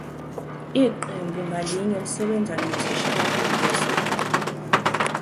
Iqembu ngalinye lisebenza nothisha kabili ngesonto.